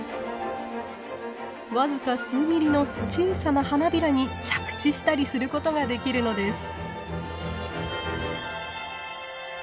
僅か数ミリの小さな花びらに着地したりすることができるのです。